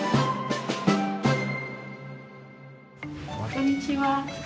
こんにちは。